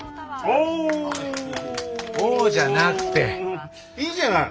「おお」じゃなくて。いいじゃない。